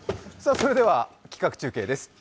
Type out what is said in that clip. それでは企画中継です。